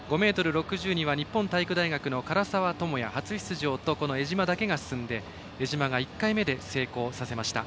５ｍ６０には日本体育大学の柄澤智哉、初出場と江島だけが進んで江島が１回目で成功させました。